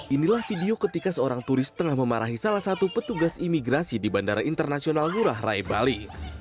inilah video ketika seorang turis tengah memarahi salah satu petugas imigrasi di bandara internasional ngurah rai bali